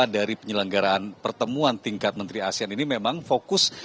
dari penyelenggaraan pertemuan tingkat menteri asean ini memang fokus